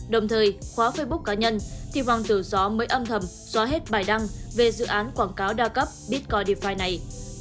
đồng thời khóa facebook cá nhân thì hoàng tử gió mới âm thầm xóa hết bài đăng về dự án quảng cáo đa cấp bitcoin defi này